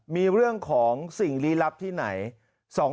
มีเรื่องของสิ่งลี้ลับที่ไหน